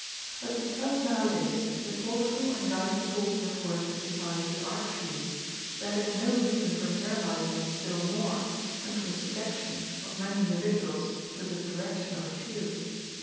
But because nowadays the thoughtful and guiding forces at work in society are few, that is no reason for paralyzing them still more, and for the subjection of many individuals to the direction of a few.